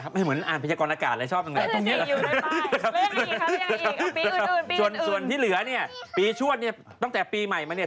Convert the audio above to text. ไม่เหมือนอาบประชาการอากาศเลยชอบตรงเนี่ย